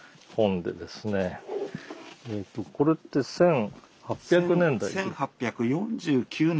これって１８００年代？